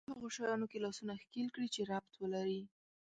په هغو شيانو کې لاسونه ښکېل کړي چې ربط ولري.